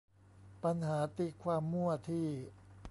ปัญหาตีความมั่วที่